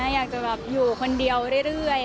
อยากจะแบบอยู่คนเดียวเรื่อย